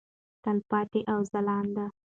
تلپاتې او ځلانده.